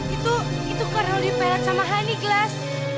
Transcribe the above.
itu itu karena lu diperhat sama honeyglass